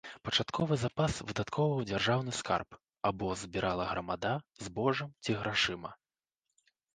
Пачатковы запас выдаткоўваў дзяржаўны скарб або збірала грамада збожжам ці грашыма.